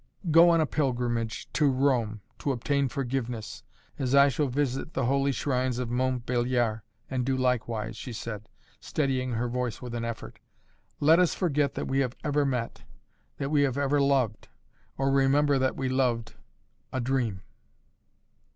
"Go on a pilgrimage to Rome, to obtain forgiveness, as I shall visit the holy shrines of Mont Beliard and do likewise," she said, steadying her voice with an effort. "Let us forget that we have ever met that we have ever loved, or remember that we loved a dream."